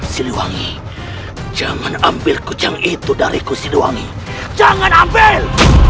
siliwangi jangan ambil kucing itu dariku siliwangi jangan ambil